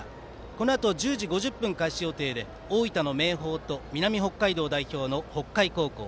このあと１０時５０分開始予定で大分の明豊と南北海道代表の北海高校。